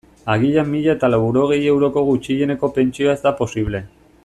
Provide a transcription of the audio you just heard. Agian mila eta laurogei euroko gutxieneko pentsioa ez da posible.